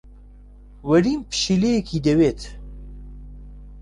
وەرین پشیلەیەکی دەوێت.